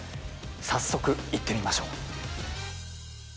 早速行ってみましょう。